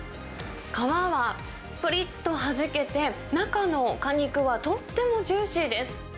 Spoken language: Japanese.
皮はぷりっとはじけて、中の果肉はとってもジューシーです。